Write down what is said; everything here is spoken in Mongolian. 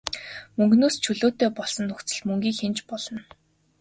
Мөнгөнөөс чөлөөтэй болсон нөхцөлд мөнгийг хянаж болно.